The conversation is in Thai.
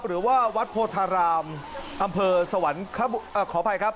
หรือว่าวัดโพธารามอำเภอสวรรคขออภัยครับ